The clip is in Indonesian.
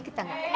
kita gak belanja